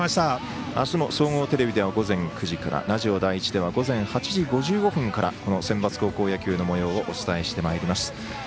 あすも総合テレビでは午前９時からラジオ第１では午前８時５５分からこのセンバツ高校野球のもようをお伝えしてまいります。